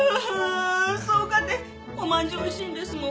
そうかておまんじゅうおいしいんですもん。